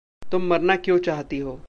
तुम मरना क्यों चाहती हो?